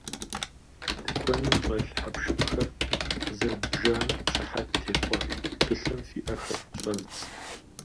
Тыкуэным щӏэлъ хьэпшыпхэр къызэрыдбжам щыхьэт техъуэ тхылъым фи ӏэхэр щӏэвдз.